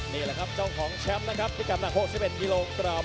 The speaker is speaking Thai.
นี่แหละครับเจ้าของแชมป์นะครับพิกัดหนัก๖๑กิโลกรัม